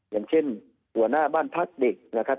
อย่างเช่นหัวหน้าบ้านพักเด็กนะครับ